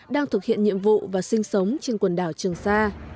đang thực hiện nhiệm vụ và sinh sống trên quần đảo trường sa